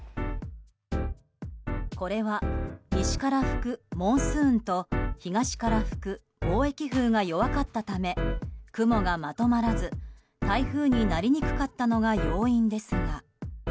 これは西から吹くモンスーンと東から吹く貿易風が弱かったため雲がまとまらず台風になりにくかったのが要因ですが。